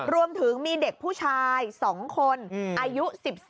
รวมถึงมีเด็กผู้ชาย๒คนอายุ๑๔